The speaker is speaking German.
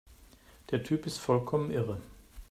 Der Typ ist vollkommen irre!